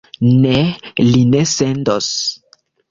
Ne, li ne sendos.